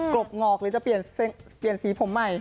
บงอกหรือจะเปลี่ยนสีผมใหม่